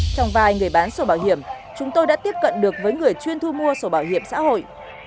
trong vài người bán sổ bảo hiểm chúng tôi đã tiếp cận được với người chuyên thu mua sổ bảo hiểm xã hội